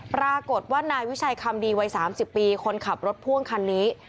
ปรากฏว่านายวิชัยคำดีวัย๓๐ปีคนขับรถพ่วงคันนี้